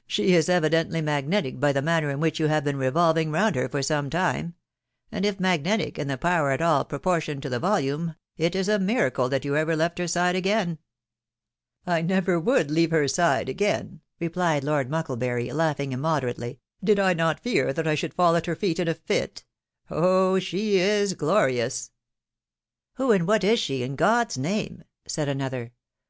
" She is evidently magnetic, by the manner in whkh you have been revolving round her for some time; and if magnetic, and the power at all propor tioned to the volume, it is a miracle that you ever left her tide again." " I never would leave her aside again," replied Lord Muckle bury, laughing immoderately, " did I not fear that I should fall at her feet in a fit Oh ! she is glorious 1 "" Who and what is she, in God's name ?" said another.